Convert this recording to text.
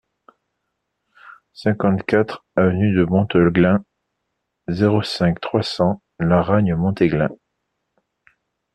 cinquante-quatre avenue de Monteglin, zéro cinq, trois cents, Laragne-Montéglin